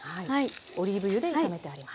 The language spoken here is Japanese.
オリーブ油で炒めてあります。